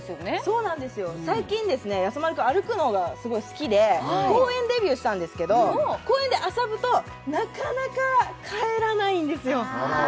そうなんですよ最近やさ丸くん歩くのがすごい好きで公園デビューしたんですけど公園で遊ぶとなかなか帰らないんですよ